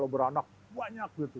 beranak banyak gitu